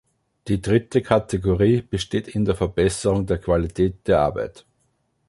Die dritte Kategorie besteht in der Verbesserung der Qualität der Arbeit.